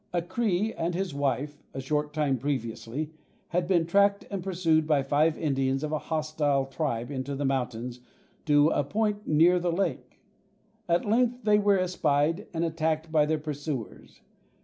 A Cree and his wife, a short time previously, had been tracked and pursued by five Indians of a hostile tribe into the mountains to a point near the lake. At length they were espied and attacked by their pursuers.